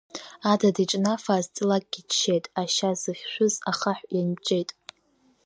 Адыд иҿнафааз ҵлакгьы ччеит, ашьа зыхьшәыз ахаҳә ианҷҷеит.